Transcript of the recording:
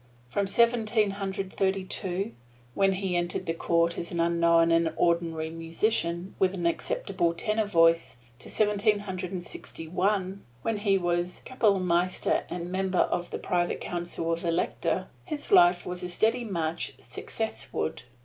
From Seventeen Hundred Thirty two, when he entered the court as an unknown and ordinary musician with an acceptable tenor voice, to Seventeen Hundred Sixty one, when he was Kapellmeister and a member of the private council of the Elector, his life was a steady march successward.